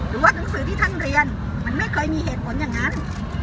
หรือว่าหนังสือที่ท่านเรียนมันไม่เคยมีเหตุผลอย่างนั้น